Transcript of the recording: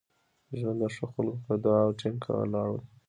ژوند د ښو خلکو په دعاوو ټینګ ولاړ وي.